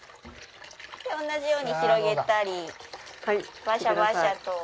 同じように広げたりバシャバシャと。